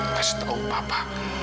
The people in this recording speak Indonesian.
kasih tau papa